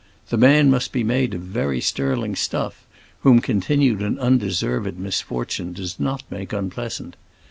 The man must be made of very sterling stuff, whom continued and undeserved misfortune does not make unpleasant.